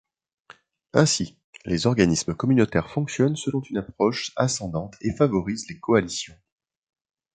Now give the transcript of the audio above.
Ainsi, les organismes communautaires fonctionnent selon une approche ascendante et favorisent les coalitions.